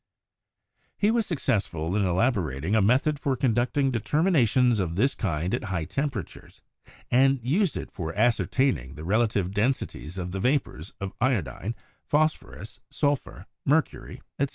He was successful in elaborating a method for conduct ing determinations of this kind at high temperatures, and used it for ascertaining the relative densities of the vapors of iodine, phosphorus, sulphur, mercury, etc.